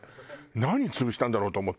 何潰したんだろうと思って。